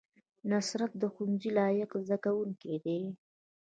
نصرت د ښوونځي لایق زده کوونکی دی